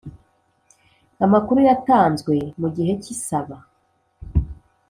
amakuru yatanzwe mu gihe cy isaba